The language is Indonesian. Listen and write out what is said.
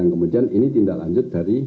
yang kemudian ini tindak lanjut dari